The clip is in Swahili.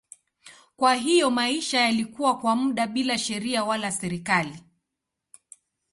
Kwa hiyo maisha yalikuwa kwa muda bila sheria wala serikali.